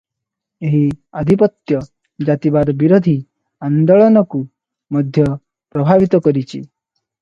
ଏହି ଆଧିପତ୍ୟ ଜାତିବାଦ-ବିରୋଧୀ ଆନ୍ଦୋଳନକୁ ମଧ୍ୟ ପ୍ରଭାବିତ କରିଛି ।